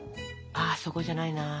あそこじゃないな。